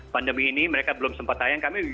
pandemi ini mereka belum sempat tayang kami